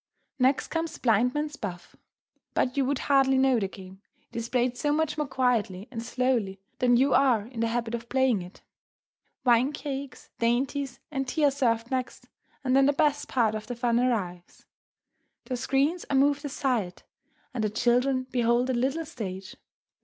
Next comes blind man's buff, but you would hardly know the game, it is played so much more quietly and slowly than you are in the habit of playing it. Wine cakes, dainties, and tea are served next, and then the best part of the fun arrives. The screens are moved aside, and the children behold a little stage.